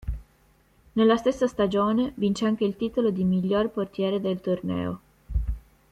Nella stessa stagione vince anche il titolo di miglior portiere del torneo.